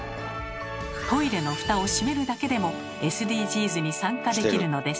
トイレのフタを閉めるだけでもＳＤＧｓに参加できるのです。